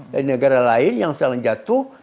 dari negara lain yang selalu jatuh